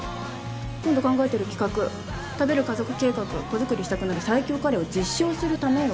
今度考えてる企画「食べる家族計画子作りしたくなる最強カレー」を実証するためよ。